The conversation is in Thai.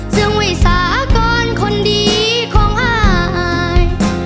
เสื่อมไว้สาก่อนคนดีของอาย